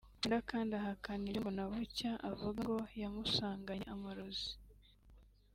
Brenda kandi ahakana ibyo Mbonabucya avuga ngo yamusanganye amarozi